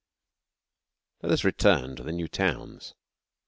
] Let us return to the new towns.